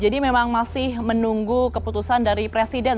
jadi memang masih menunggu keputusan dari presiden